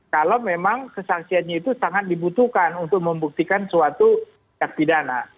kalau memang kesaksiannya itu sangat dibutuhkan untuk membuktikan suatu tindak pidana